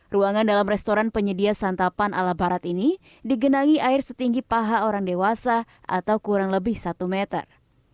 ruangan dalam restoran penyedia santapan ala barat ini digenangi air setinggi paha orang dewasa atau kurang lebih satu meter